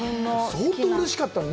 相当うれしかったんだね。